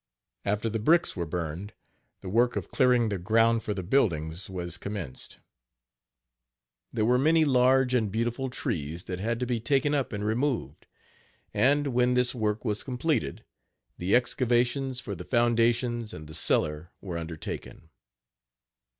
After the bricks were burned, the work of clearing the ground for the buildings was commenced. There were many large and beautiful trees that had to be taken up and removed; and, when this work was completed, the excavations for the foundations and the cellar were undertaken.